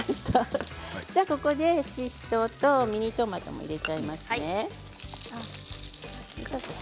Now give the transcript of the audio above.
ここで、ししとうとミニトマトを入れちゃいますね。